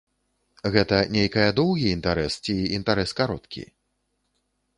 Гэта нейкая доўгі інтарэс ці інтарэс кароткі?